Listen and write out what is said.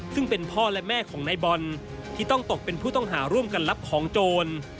ซึ่งเป็นพ่อและแม่ของนายบอลที่ต้องตกเป็นผู้ต้องหาร่วมกันรับของโจร